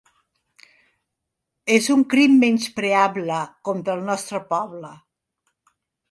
És un crim menyspreable contra el nostre poble.